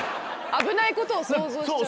危ないことを想像しちゃう。